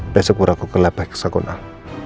besok buraku ke lab hexagonal